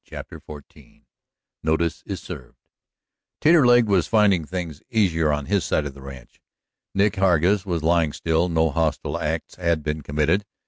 CHAPTER XIV NOTICE IS SERVED Taterleg was finding things easier on his side of the ranch. Nick Hargus was lying still, no hostile acts had been committed.